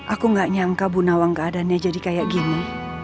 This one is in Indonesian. aku gak nyangka bu nawang keadaannya jadi kayak gini